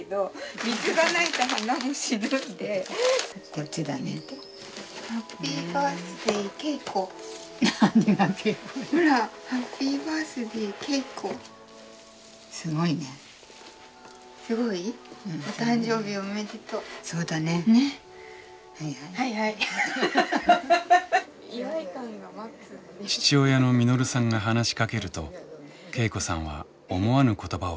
父親の實さんが話しかけると恵子さんは思わぬ言葉を口にしました。